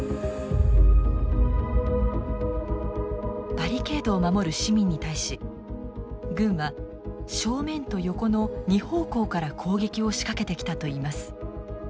バリケードを守る市民に対し軍は正面と横の２方向から攻撃を仕掛けてきたといいます。